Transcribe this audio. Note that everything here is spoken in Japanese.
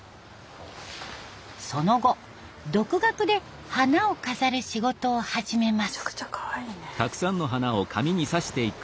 その後独学で花を飾る仕事を始めます。